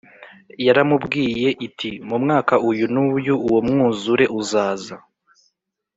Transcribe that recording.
yaramubwiye iti mu mwaka uyu n’uyu uwo mwuzure uzaza.